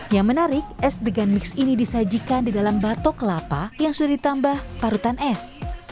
yang menarik es degan mix ini disajikan di dalam batok kelapa yang sudah ditambah parutan es